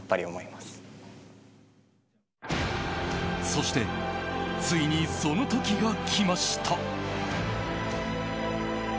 そして、ついにその時が来ました。